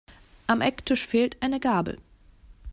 Am Ecktisch fehlt eine Gabel.